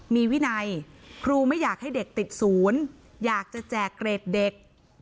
มีวินัยครูไม่อยากให้เด็กติดศูนย์อยากจะแจกเกรดเด็ก